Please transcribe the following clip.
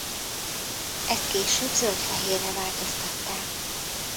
Ezt később zöld-fehérre változtatták.